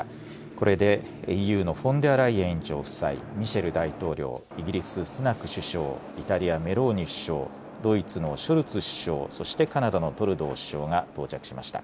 これでＥＵのフォンデアライエン委員長夫妻、ミシェル大統領、イギリス、スナク首相、イタリアのメローニ首相、ドイツのショルツ首相、カナダのトルドー首相が到着しました。